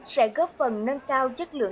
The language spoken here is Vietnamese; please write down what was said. sẽ góp phần nâng cao chất lượng